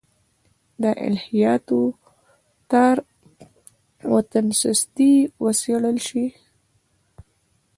د الهیاتو تار و تنستې وڅېړل شي.